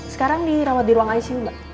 sekarang dirawat di ruang icu mbak